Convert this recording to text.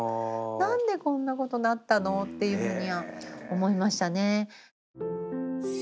「何でこんなことなったの？」っていうふうには思いましたね。